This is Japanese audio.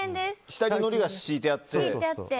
下にのりが敷いてあって。